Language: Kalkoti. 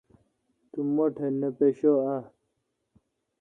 تو مہ ٹھ نہ پشہ اہ؟